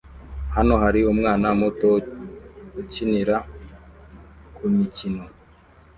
Hano hari umwana muto ukinira kumikino